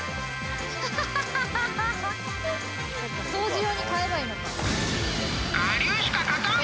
掃除用に買えばいいのか。